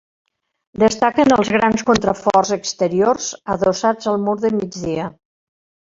Destaquen els grans contraforts exteriors adossats al mur de migdia.